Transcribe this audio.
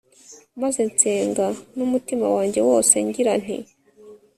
maze nsenga n'umutima wanjye wose, ngira nti